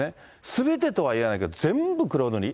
すべてとはいわないけど、全部黒塗り。